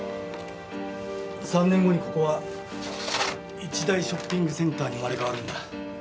３年後にここは一大ショッピングセンターに生まれ変わるんだ。